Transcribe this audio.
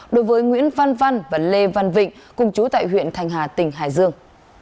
đối với nguyễn văn văn và lê văn vịnh cùng chú tại huyện thanh hà tỉnh hải dương